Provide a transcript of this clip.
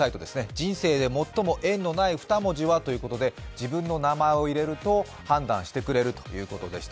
人生で最も縁のない２文字はということで自分の名前を入れると判断してくれるということでした。